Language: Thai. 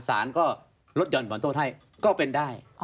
ศาลก็ลดยนต์ผลโทษให้ก็เป็นได้